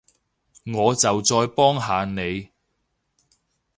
我就再幫下你